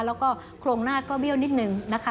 แล้วก็โครงหน้าก็เบี้ยวนิดนึงนะคะ